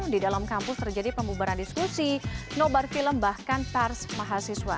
di dalam kampus terjadi pembubaran diskusi nobar film bahkan tars mahasiswa